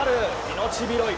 命拾い。